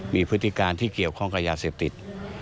มีพฤติการที่เกี่ยวข้องกับยาเสพติด